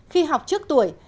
khi học trước tuổi